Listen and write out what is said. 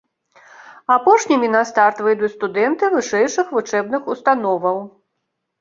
Апошнімі на старт выйдуць студэнты вышэйшых вучэбных установаў.